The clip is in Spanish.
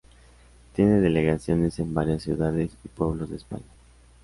Tiene delegaciones en varias ciudades y pueblos de España.